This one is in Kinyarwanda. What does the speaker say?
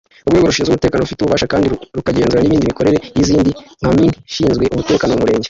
Urwego rushinzwe umutekano rubifitiye ububasha kandi rukagenzura nindi mikorere yizindi kampani zishinzwe umutekano mu murenge.